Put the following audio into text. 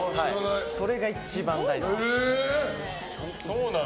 それが一番大好きです。